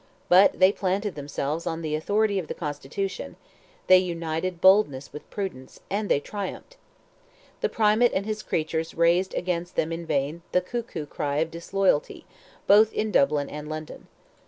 But they planted themselves on the authority of the constitution, they united boldness with prudence, and they triumphed. The Primate and his creatures raised against them in vain the cuckoo cry of disloyalty, both in Dublin and London.